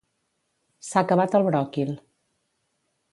S'ha acabat el bròquil